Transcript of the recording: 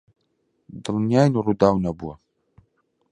دڵنیاین ڕووداو نەبووە.